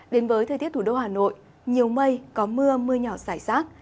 đến với thời tiết thủ đô hà nội nhiều mây có mưa mưa nhỏ xảy sát